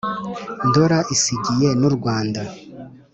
ndora isigiye n’u rwanda.